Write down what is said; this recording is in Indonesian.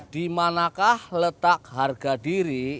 dimanakah letak harga diri